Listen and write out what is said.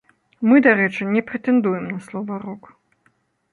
Мы, дарэчы, не прэтэндуем на слова рок.